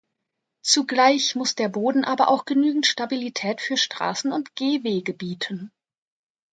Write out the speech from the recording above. Zugleich muss der Boden aber auch genügend Stabilität für Straßen und Gehwege bieten.